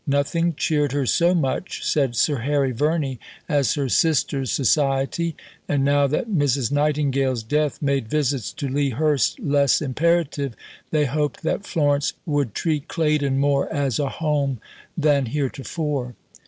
Nothing cheered her so much, said Sir Harry Verney, as her sister's society, and now that Mrs. Nightingale's death made visits to Lea Hurst less imperative they hoped that Florence "would treat Claydon more as a home" than heretofore.